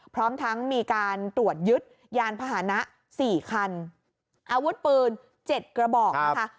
พร้อมทั้งมีการตรวจยึดยานพาหนะสี่คันอาวุธปืน๗กระบอกนะคะ